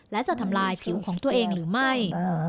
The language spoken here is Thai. และจะทำลายผิวของตัวเองหรือไม่